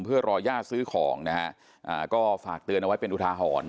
เพื่อรอย่าซื้อของนะฮะก็ฝากเตือนเอาไว้เป็นอุทาหรณ์